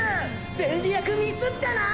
戦略ミスったな！！